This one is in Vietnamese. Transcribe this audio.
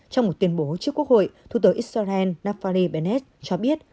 trong một tuyên bố trước quốc hội thủ tướng israel naftali bennett cho biết